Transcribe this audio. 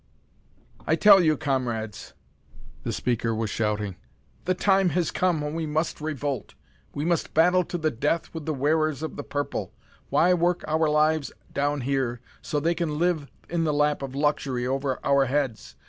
"I tell you, comrades," the speaker was shouting, "the time has come when we must revolt. We must battle to the death with the wearers of the purple. Why work out our lives down here so they can live in the lap of luxury over our heads?